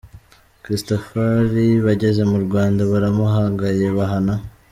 Christafari bageze mu Rwanda baramuhagaye bahana